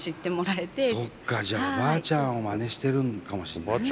じゃあおばあちゃんをまねしてるのかもしれないね。